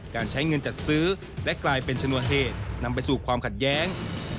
การใช้เงินจัดซื้อและกลายเป็นชนวนเหตุนำไปสู่ความขัดแย้ง